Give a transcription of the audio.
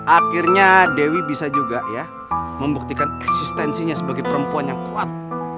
akhirnya dewi bisa juga ya membuktikan eksistensinya sebagai perempuan yang kuat